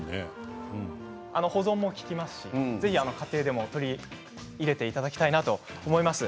保存も利きますしぜひご家庭でも取り入れていただきたいと思います。